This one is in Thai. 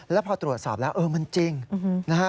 แล้วพอตรวจสอบแล้วเออมันจริงนะฮะ